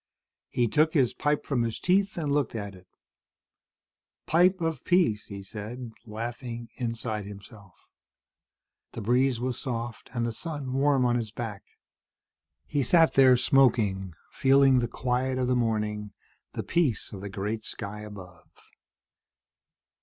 He took his pipe from his teeth and looked at it. "Pipe of peace," he said, laughing inside himself. The breeze was soft and the sun warm on his back. He sat there, smoking, feeling the quiet of the morning, the peace of the great sky above.